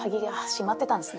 閉まってたんですね。